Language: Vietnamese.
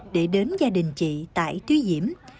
để đến gia đình chị tại tuy diễm